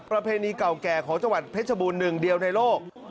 ประเพณีเก่าแก่ของจังหวัดเพชรบูรณหนึ่งเดียวในโลก